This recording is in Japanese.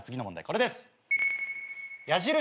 これです。